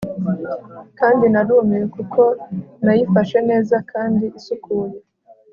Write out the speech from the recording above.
kandi narumiwe kuko nayifashe neza kandi isukuye